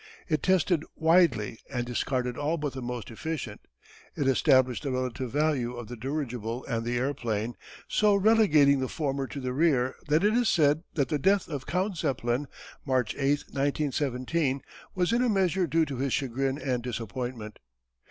It tested widely and discarded all but the most efficient. It established the relative value of the dirigible and the airplane, so relegating the former to the rear that it is said that the death of Count Zeppelin, March 8, 1917, was in a measure due to his chagrin and disappointment.